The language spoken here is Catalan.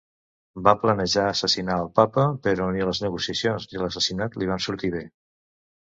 Va planejar assassinar al Papa, però ni les negociacions ni l'assassinat li van sortir bé.